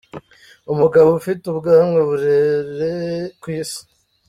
Umugabo ufite ubwanwa burere ku isi